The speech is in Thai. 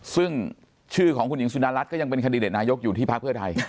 ซึ่งชื่อของคุณหญิงสุดารัฐก็ยังเป็นคันดิเดตนายกอยู่ที่ภาคเพื่อไทย